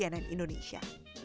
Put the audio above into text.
tim liputan cnn indonesia